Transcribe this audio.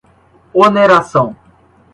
oneração